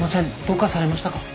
どうかされましたか？